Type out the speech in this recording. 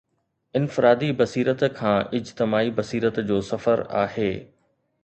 انفرادي بصيرت کان اجتماعي بصيرت جو سفر آهي.